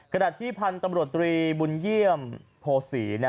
ขณะที่พันธุ์ตำรวจตรีบุญเยี่ยมโภษี